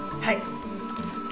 はい。